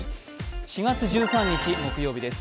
４月１３日木曜日です。